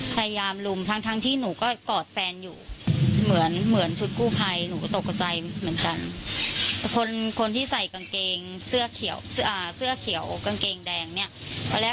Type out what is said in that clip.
พยายามลุมทั้งที่หนูก็กอดแฟนอยู่เหมือนชุดกู้ไพ